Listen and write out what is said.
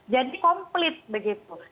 jadi komplit begitu